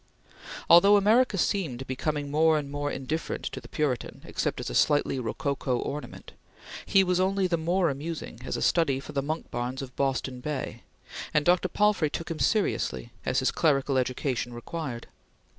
Although America seemed becoming more and more indifferent to the Puritan except as a slightly rococo ornament, he was only the more amusing as a study for the Monkbarns of Boston Bay, and Dr. Palfrey took him seriously, as his clerical education required.